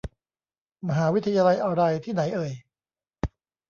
มหาวิทยาลัยอะไร ที่ไหนเอ่ย